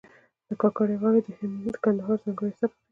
د کاکړۍ غاړې د کندهار ځانګړی سبک دی.